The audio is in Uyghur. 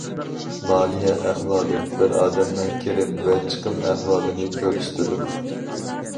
مالىيە ئەھۋالى بىر ئادەمنىڭ كىرىم ۋە چىقىم ئەھۋالىنى كۆرسىتىدۇ.